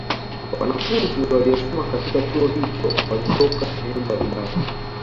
Wanafunzi waliosoma katika Chuo hicho walitoka sehemu mbalimbali